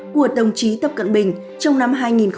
của tổng chí tập cận bình trong năm hai nghìn hai mươi ba